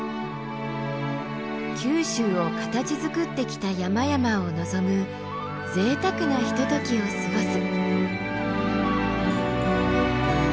九州を形づくってきた山々を望むぜいたくなひとときを過ごす。